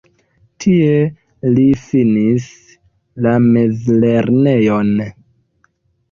Tie li finis la mezlernejon.